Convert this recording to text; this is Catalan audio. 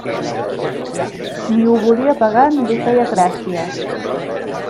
Ni ho volia pagar ni li feia gràcia.